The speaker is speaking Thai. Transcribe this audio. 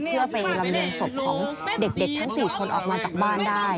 เพื่อไปลำเรียงศพของเด็กทั้ง๔คนออกมาจากบ้านได้